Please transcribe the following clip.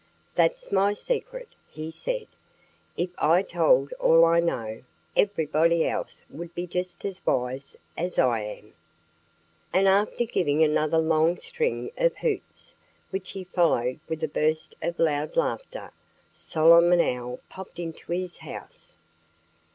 "That's my secret," he said. "If I told all I know, everybody else would be just as wise as I am." And after giving another long string of hoots, which he followed with a burst of loud laughter, Solomon Owl popped into his house.